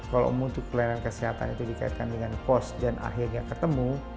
kalau mutu pelayanan kesehatan itu dikaitkan dengan kos dan akhirnya ketemu